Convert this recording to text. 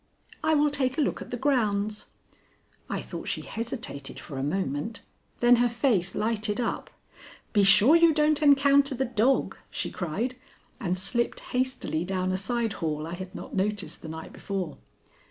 "I will take a look at the grounds." I thought she hesitated for a moment; then her face lighted up. "Be sure you don't encounter the dog," she cried, and slipped hastily down a side hall I had not noticed the night before.